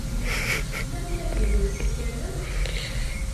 Tlamt ahil n yisakalen?